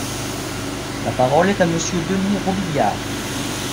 La parole est à Monsieur Denys Robiliard.